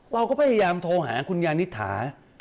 เราก็พยายามโทรหาคุณยานิษฐา